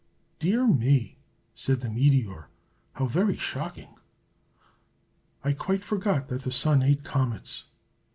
"Dear me!" said the meteor. "How very shocking! I quite forgot that the Sun ate comets.